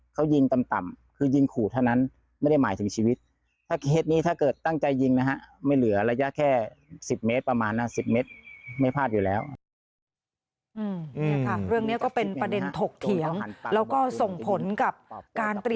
เขายิงต่ำคือยิงขู่เท่านั้นไม่ได้หมายถึงชีวิต